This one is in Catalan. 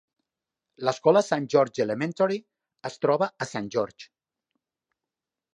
L'escola Saint George Elementary es troba a Saint George.